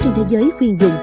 trên thế giới khuyên dụng